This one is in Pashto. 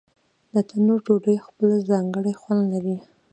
د تنور ډوډۍ خپل ځانګړی خوند لري.